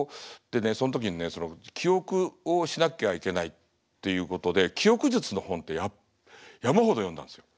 でねそん時にね記憶をしなきゃいけないということで記憶術の本って山ほど読んだんですよ。